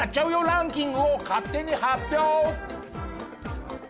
ランキングを勝手に発表。